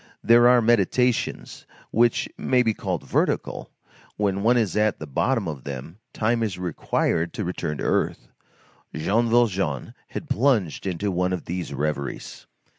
There are meditations which may be called vertical; when one is at the bottom of them, time is required to return to earth. Jean Valjean had plunged into one of these reveries.